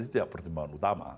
itu pertimbangan utama